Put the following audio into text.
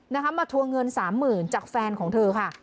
มาทัวร์เงินสามหมื่นจากแฟนของเธอค่ะ